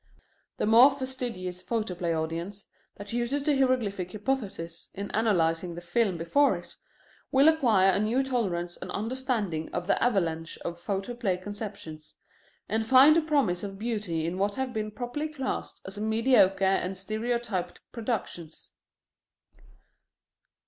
The more fastidious photoplay audience that uses the hieroglyphic hypothesis in analyzing the film before it, will acquire a new tolerance and understanding of the avalanche of photoplay conceptions, and find a promise of beauty in what have been properly classed as mediocre and stereotyped productions.